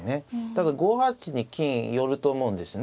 ただ５八に金寄ると思うんですね。